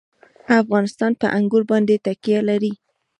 افغانستان په انګور باندې تکیه لري.